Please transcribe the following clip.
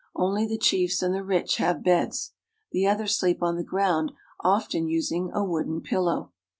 Only the chiefs and the rich have beds. The others sleep on the ground, often using a wooden pillow.